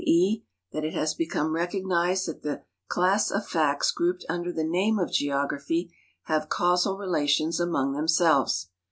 e., that it has become recognized that the class of facts grouped under the name of geography have causal relations among themselves.